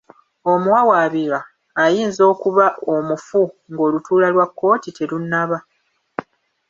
Omuwawaabirwa ayinza okuba omufu ng'olutuula lwa Kkooti terunnaba.